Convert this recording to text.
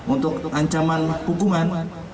untuk ancaman hukuman